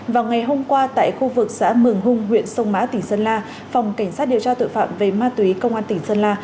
vào ngày hôm qua tại khu vực xã mường hung huyện sông mã tỉnh sơn la phòng cảnh sát điều tra tội phạm về ma túy công an tỉnh sơn la